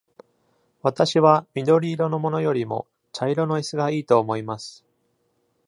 私は緑色のものよりも、茶色のイスがいいと思います。